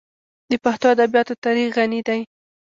د پښتو ادبیاتو تاریخ غني دی.